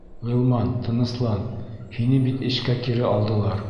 Ғилман, тыныслан, һине бит эшкә кире алдылар.